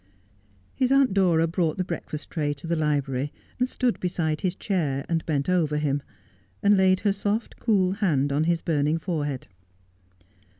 His aunt Dora brought the breakfast tray to the library, and stood beside his chair, and bent over him, and laid her soft, cool hand on his burning forehead.